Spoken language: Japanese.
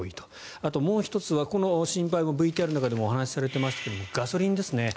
あともう１つは、ＶＴＲでもお話されていましたがガソリンですね。